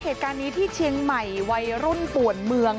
เหตุการณ์นี้ที่เชียงใหม่วัยรุ่นป่วนเมือง